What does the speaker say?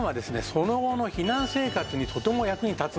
その後の避難生活にとても役に立つんですよね。